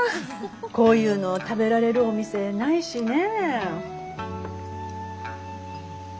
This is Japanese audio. こういうのを食べられるお店ないしね。